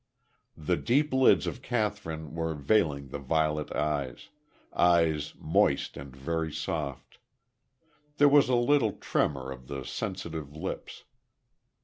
The deep lids of Kathryn were half veiling the violet eyes eyes moist, and very soft. There was a little tremor of the sensitive lips.